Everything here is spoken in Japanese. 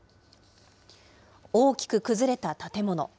大きく崩れた建物。